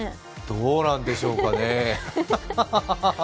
どうなんでしょうかねえ。